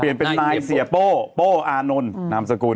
เปลี่ยนเป็นนายเสียโป้โป้อานนท์นามสกุล